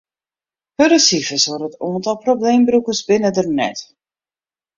Hurde sifers oer it oantal probleembrûkers binne der net.